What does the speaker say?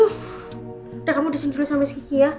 udah kamu disinjuri suami skiki ya